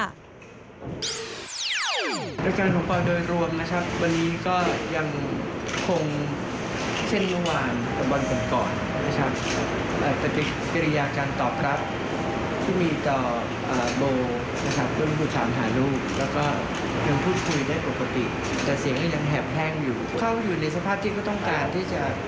อาจจะได้เป็นพิทศึกษาเพื่อกระยะพราคาของตากล่องนี้จุดที่ก็คือเท่าที่เสื้อผลขึ้นไป